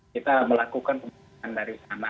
kita melakukan pemeriksaan dari sana